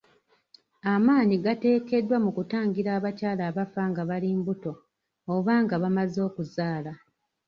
Amaanyi gateekeddwa mu kutangira abakyala abafa nga bali mbuto oba nga bamaze okuzaala.